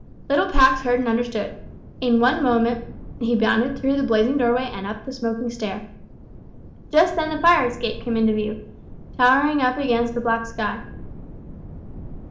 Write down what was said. Little Pax heard and understood. In one moment he bounded through the blazing doorway and up the smoking stair. Just then the fire escape came into view, towering up against the black sky.